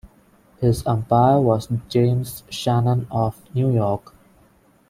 His umpire was James Shannon of New York.